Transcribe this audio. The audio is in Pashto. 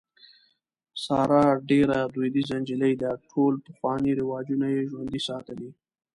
ساره ډېره دودیزه نجلۍ ده. ټول پخواني رواجونه یې ژوندي ساتلي.